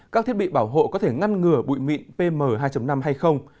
các thiết bị bảo hộ có thể ngăn ngừa bụi mịn pm hai năm hay không